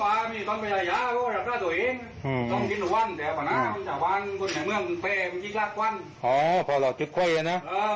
เอ่อจิบคว้ยมีกระตุ้น